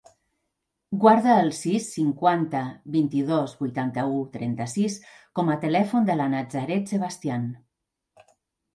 Guarda el sis, cinquanta, vint-i-dos, vuitanta-u, trenta-sis com a telèfon de la Nazaret Sebastian.